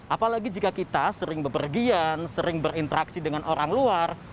apalagi jika kita sering bepergian sering berinteraksi dengan orang luar